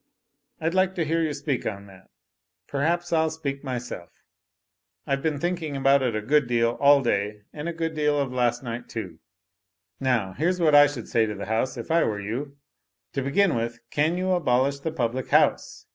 I'd like to hear you speak on that. P'raps I'll speak myself, I've been thinking about it a good deal all day, and a good deal of last night, too. Now, here's what I should say to the House, if I were you. To begin with, can you abolish the public house?